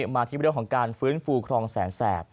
มาที่เรื่องของการฟื้นฟูครองแสนแสบ